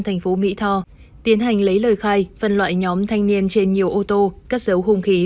thành phố mỹ tho tiến hành lấy lời khai phân loại nhóm thanh niên trên nhiều ô tô cất dấu hung khí